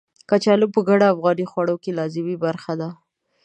کچالو په ګڼو افغاني خوړو کې لازمي برخه ده.